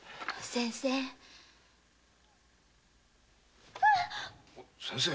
先生？